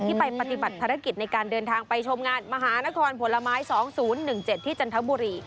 ไปปฏิบัติภารกิจในการเดินทางไปชมงานมหานครผลไม้๒๐๑๗ที่จันทบุรี